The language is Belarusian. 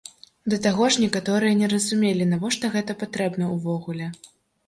Да таго ж некаторыя не разумелі, навошта гэта патрэбна ўвогуле.